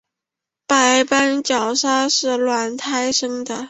白斑角鲨是卵胎生的。